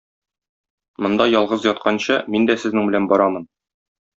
Монда ялгыз ятканчы, мин дә сезнең белән барамын.